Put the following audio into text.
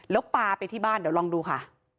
แล้วปลาไปที่บ้านเดี๋ยวลองดูค่ะ